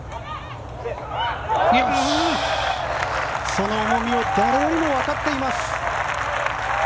その重みを誰よりも分かっています。